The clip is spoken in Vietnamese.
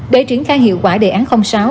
để triển khai hiệu quả đề án sáu